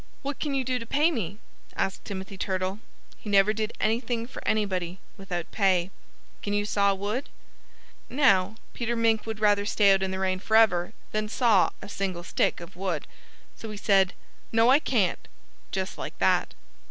"What can you do to pay me?" asked Timothy Turtle. He never did anything for anybody without pay. "Can you saw wood?" Now, Peter Mink would rather stay out in the rain forever than saw a single stick of wood. So he said: "No, I can't!" just like that.